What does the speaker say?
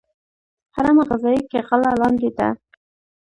هرم غذایی کې غله لاندې ده.